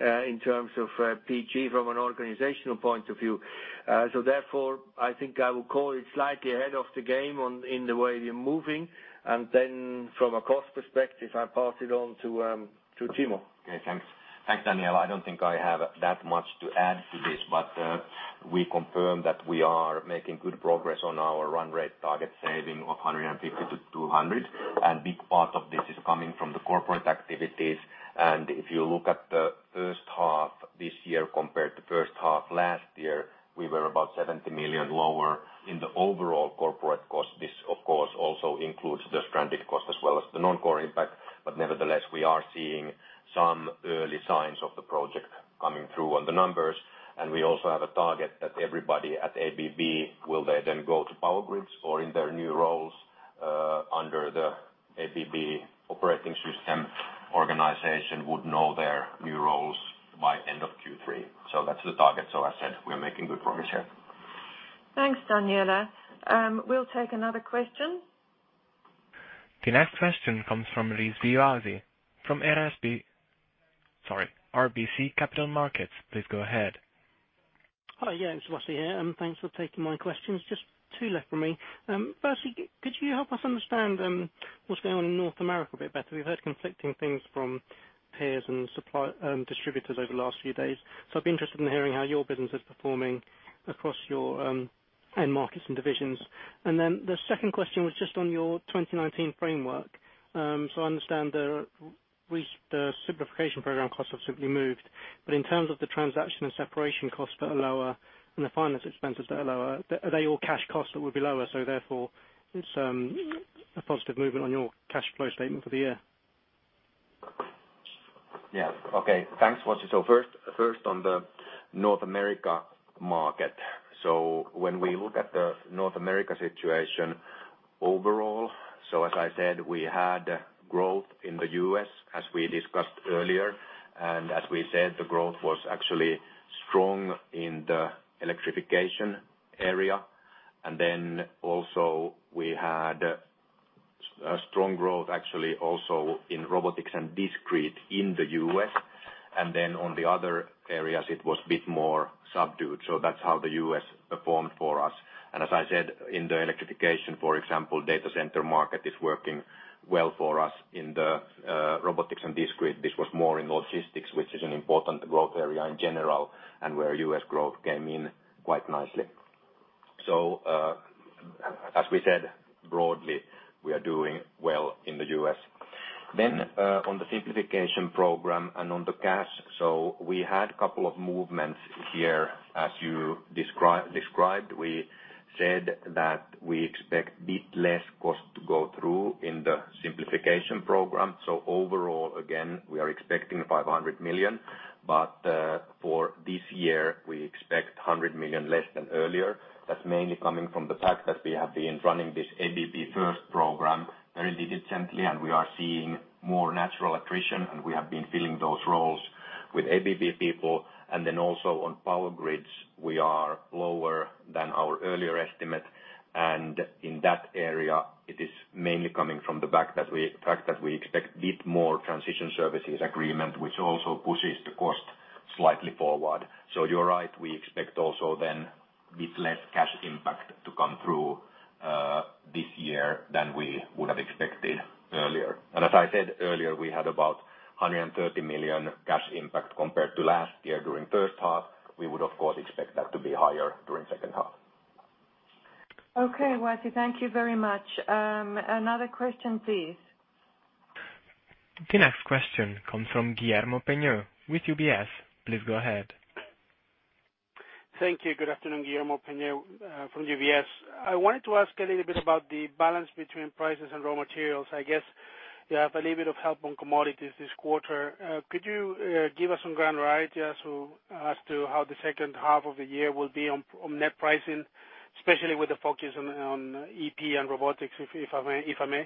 in terms of PG from an organizational point of view. Therefore I think I will call it slightly ahead of the game in the way we're moving. Then from a cost perspective, I'll pass it on to Timo. Okay, thanks. Thanks, Daniela. I don't think I have that much to add to this, but we confirm that we are making good progress on our run rate target saving of 150-200. Big part of this is coming from the corporate activities. If you look at the first half this year compared to first half last year, we were about $70 million lower in the overall corporate cost. This, of course, also includes the stranded cost as well as the non-core impact. Nevertheless, we are seeing some early signs of the project coming through on the numbers. We also have a target that everybody at ABB, will they then go to Power Grids or in their new roles under the ABB Operating System organization would know their new roles by end of Q3. That's the target. As said, we are making good progress here. Thanks, Daniela. We'll take another question. The next question comes from Rhys Diozi from RBC Capital Markets. Please go ahead. Hi, yeah, it's Rhys here, and thanks for taking my questions. Just two left for me. Firstly, could you help us understand what's going on in North America a bit better? We've heard conflicting things from peers and distributors over the last few days. I'd be interested in hearing how your business is performing across your end markets and divisions. The second question was just on your 2019 framework. I understand the Simplification Program costs have simply moved. In terms of the transaction and separation costs that are lower and the finance expenses that are lower, are they all cash costs that would be lower, so therefore it's a positive movement on your cash flow statement for the year? Yeah. Okay. Thanks, Rhys. First on the North America market. When we look at the North America situation overall, as I said, we had growth in the U.S. as we discussed earlier. As we said, the growth was actually strong in the Electrification area. Also we had a strong growth actually also in Robotics and Discrete in the U.S. On the other areas, it was a bit more subdued. That's how the U.S. performed for us. As I said, in the Electrification, for example, data center market is working well for us in the Robotics and Discrete. This was more in logistics, which is an important growth area in general, and where U.S. growth came in quite nicely. As we said, broadly, we are doing well in the U.S. On the Simplification Program and on the cash. We had couple of movements here as you described. We said that we expect bit less cost to go through in the simplification program. Overall, again, we are expecting $500 million, but for this year we expect $100 million less than earlier. That's mainly coming from the fact that we have been running this ABB first program very diligently and we are seeing more natural attrition, and we have been filling those roles with ABB people. Also on Power Grids we are lower than our earlier estimate. In that area it is mainly coming from the fact that we expect bit more transition services agreement, which also pushes the cost slightly forward. You're right, we expect also then bit less cash impact to come through this year than we would have expected earlier. As I said earlier, we had about $130 million cash impact compared to last year during first half. We would, of course, expect that to be higher during second half. Okay, Rhys, thank you very much. Another question, please. The next question comes from Guillermo Peigneux with UBS. Please go ahead. Thank you. Good afternoon, Guillermo Peigneux from UBS. I wanted to ask a little bit about the balance between prices and raw materials. I guess you have a little bit of help on commodities this quarter. Could you give us some guidance as to how the second half of the year will be on net pricing, especially with the focus on EP and robotics, if I may?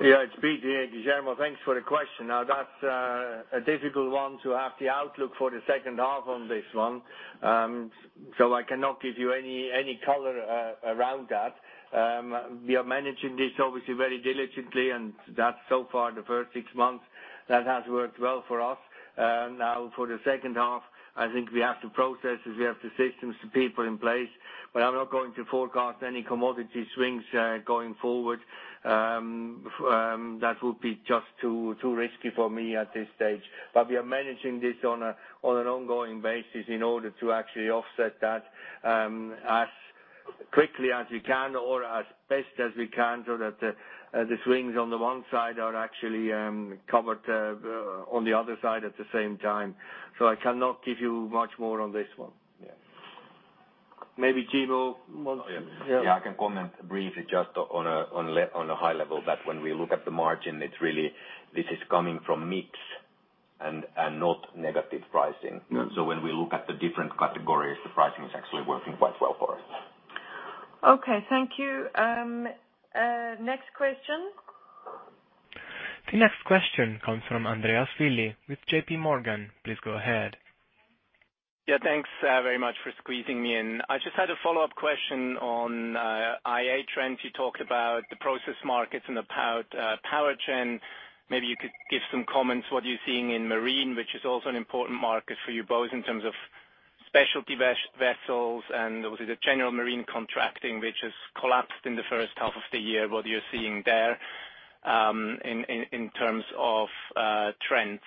It's Pete here, Guillermo, thanks for the question. That's a difficult one to have the outlook for the second half on this one. I cannot give you any color around that. We are managing this, obviously, very diligently, and that so far, the first six months, that has worked well for us. For the second half, I think we have the processes, we have the systems, the people in place. I'm not going to forecast any commodity swings going forward. That would be just too risky for me at this stage. We are managing this on an ongoing basis in order to actually offset that as quickly as we can or as best as we can so that the swings on the one side are actually covered on the other side at the same time. I cannot give you much more on this one. Maybe Timo wants. Oh, yeah. Yeah. Yeah. I can comment briefly just on a high level that when we look at the margin, this is coming from mix and not negative pricing. Yeah. When we look at the different categories, the pricing is actually working quite well for us. Okay. Thank you. Next question. The next question comes from Andreas Willi with J.P. Morgan. Please go ahead. Yeah, thanks very much for squeezing me in. I just had a follow-up question on IA trends. You talked about the process markets and the power gen. Maybe you could give some comments, what you're seeing in marine, which is also an important market for you, both in terms of specialty vessels and obviously the general marine contracting, which has collapsed in the first half of the year. What you're seeing there, in terms of trends?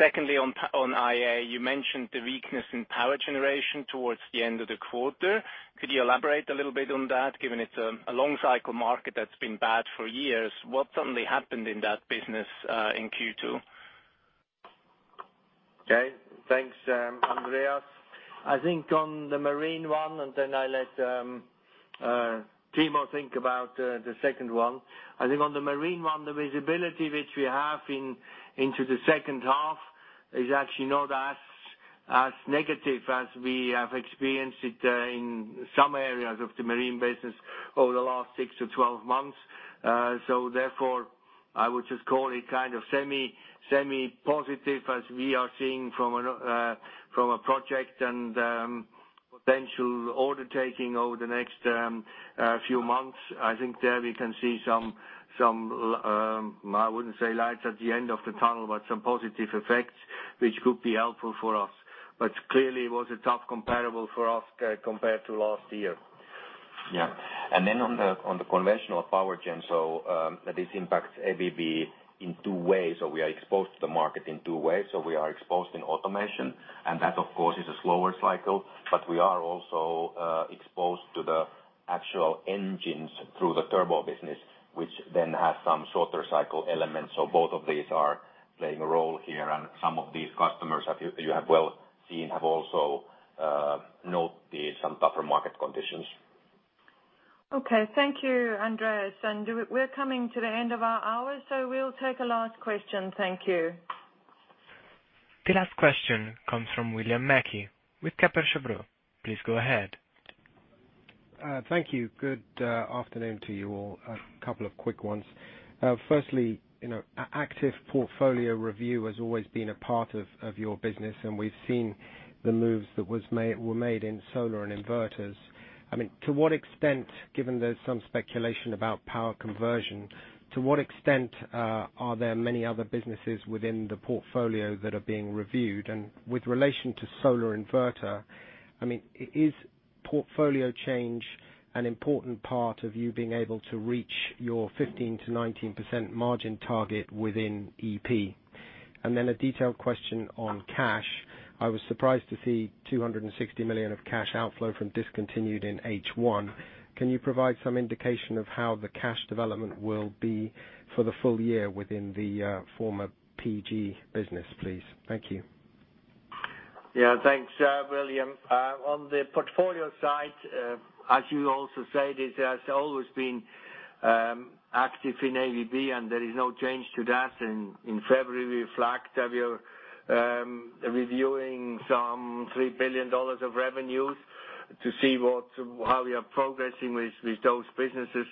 Secondly, on IA, you mentioned the weakness in power generation towards the end of the quarter. Could you elaborate a little bit on that, given it's a long cycle market that's been bad for years. What suddenly happened in that business in Q2? Okay. Thanks, Andreas. I think on the marine one, and then I let Timo think about the second one. I think on the marine one, the visibility which we have into the second half is actually not as negative as we have experienced it in some areas of the marine business over the last six to 12 months. Therefore, I would just call it kind of semi-positive as we are seeing from a project and potential order taking over the next few months. I think there we can see some, I wouldn't say lights at the end of the tunnel, but some positive effects, which could be helpful for us. Clearly, it was a tough comparable for us compared to last year. Yeah. On the conventional power gen, this impacts ABB in two ways. We are exposed to the market in two ways. We are exposed in automation, and that of course, is a slower cycle, but we are also exposed to the actual engines through the turbo business, which then has some shorter cycle elements. Both of these are playing a role here, and some of these customers you have well seen have also noticed some tougher market conditions. Okay. Thank you, Andreas. We're coming to the end of our hour, so we'll take a last question. Thank you. The last question comes from William Mackie with Kepler Cheuvreux. Please go ahead. Thank you. Good afternoon to you all. A couple of quick ones. Active portfolio review has always been a part of your business, and we've seen the moves that were made in solar and inverters. To what extent, given there's some speculation about power conversion, to what extent are there many other businesses within the portfolio that are being reviewed? With relation to solar inverter, is portfolio change an important part of you being able to reach your 15%-19% margin target within EP? A detailed question on cash. I was surprised to see $260 million of cash outflow from discontinued in H1. Can you provide some indication of how the cash development will be for the full year within the former PG business, please? Thank you. Yeah. Thanks, William. On the portfolio side, as you also said, this has always been active in ABB. There is no change to that. In February, we flagged that we are reviewing some $3 billion of revenues to see how we are progressing with those businesses.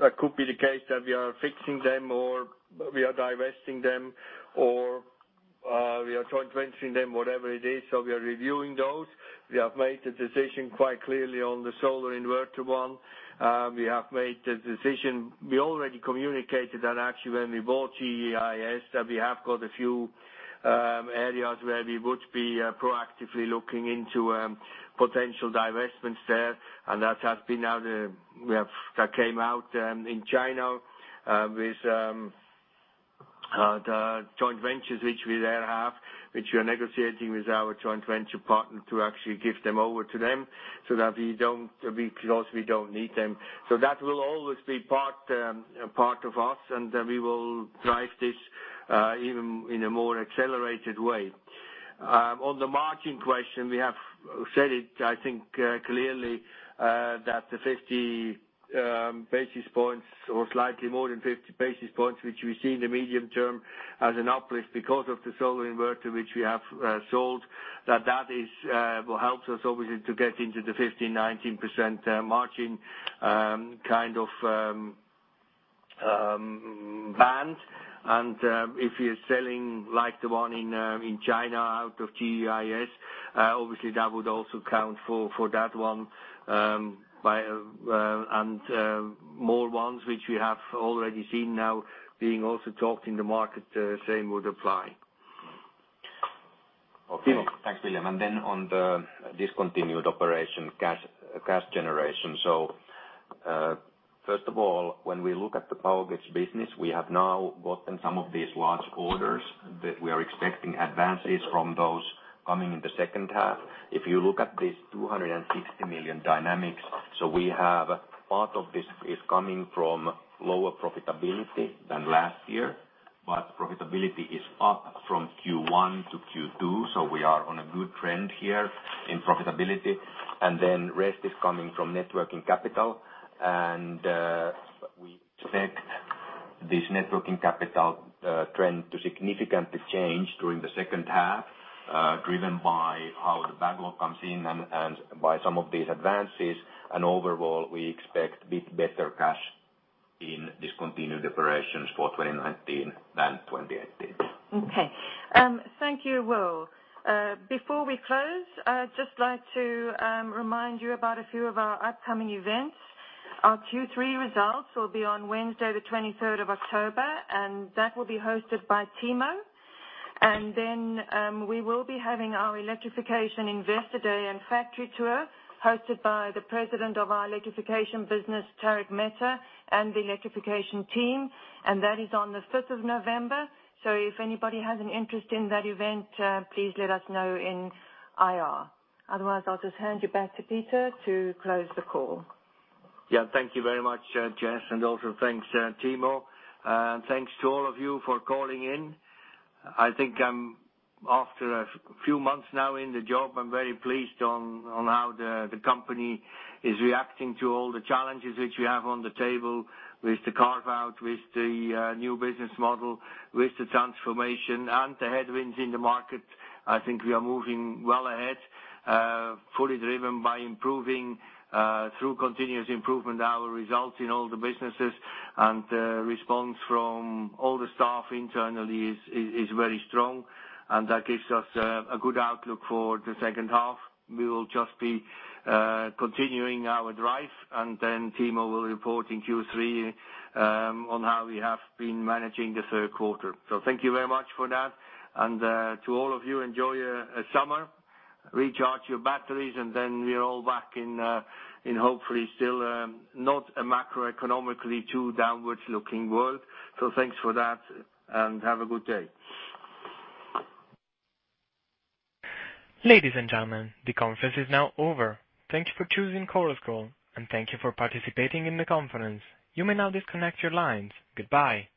That could be the case that we are fixing them or we are divesting them or we are joint venturing them, whatever it is. We are reviewing those. We have made the decision quite clearly on the solar inverter 1. We have made the decision. We already communicated that actually when we bought GEIS, that we have got a few areas where we would be proactively looking into potential divestments there. That came out in China with the joint ventures which we there have, which we are negotiating with our joint venture partner to actually give them over to them, because we don't need them. That will always be part of us, and we will drive this even in a more accelerated way. On the margin question, we have said it, I think, clearly, that the 50 basis points or slightly more than 50 basis points, which we see in the medium term as an uplift because of the solar inverter which we have sold, that will help us obviously to get into the 15%-19% margin band. If you're selling like the one in China out of GEIS, obviously that would also count for that one, and more ones which we have already seen now being also talked in the market, same would apply. Okay. Thanks, William. On the Discontinued Operations cash generation. First of all, when we look at the Power Grids business, we have now gotten some of these large orders that we are expecting advances from those coming in the second half. If you look at this $260 million dynamics, we have part of this is coming from lower profitability than last year, but profitability is up from Q1 to Q2, we are on a good trend here in profitability. Rest is coming from networking capital, and we expect this networking capital trend to significantly change during the second half, driven by how the backlog comes in and by some of these advances. Overall, we expect a bit better cash in Discontinued Operations for 2019 than 2018. Okay. Thank you, Will. Before we close, I'd just like to remind you about a few of our upcoming events. Our Q3 results will be on Wednesday the 23rd of October, and that will be hosted by Timo. Then we will be having our Electrification investor day and factory tour hosted by the President of our Electrification business, Tarak Mehta, and the Electrification team, and that is on the 5th of November. If anybody has an interest in that event, please let us know in IR. Otherwise, I'll just hand you back to Peter to close the call. Thank you very much, Jess, and also thanks, Timo, and thanks to all of you for calling in. I think after a few months now in the job, I'm very pleased on how the company is reacting to all the challenges which we have on the table with the carve-out, with the new business model, with the transformation and the headwinds in the market. I think we are moving well ahead, fully driven by improving, through continuous improvement, our results in all the businesses. The response from all the staff internally is very strong, and that gives us a good outlook for the second half. We will just be continuing our drive. Timo will report in Q3, on how we have been managing the third quarter. Thank you very much for that. To all of you, enjoy your summer, recharge your batteries, and then we are all back in hopefully still not a macroeconomically too downwards looking world. Thanks for that, and have a good day. Ladies and gentlemen, the conference is now over. Thank you for choosing Chorus Call, and thank you for participating in the conference. You may now disconnect your lines. Goodbye.